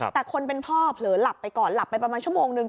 แต่คนเป็นพ่อเผลอหลับไปก่อนหลับไปประมาณชั่วโมงนึง